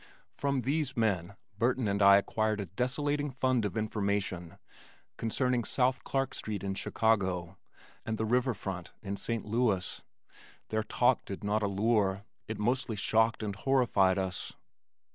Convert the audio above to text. From these men Burton and I acquired a desolating fund of information concerning South Clark Street in Chicago, and the river front in St. Louis. Their talk did not allure, it mostly shocked and horrified us.